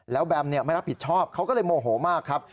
แล้วแบมไม่รับผิดชอบเขาก็เลยโมโหมากครับ